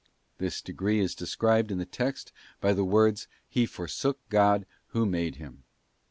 This degree is de scribed in the text by the words, ' He forsook God who made him.